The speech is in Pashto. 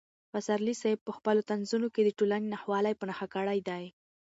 پسرلي صاحب په خپلو طنزونو کې د ټولنې ناخوالې په نښه کړې دي.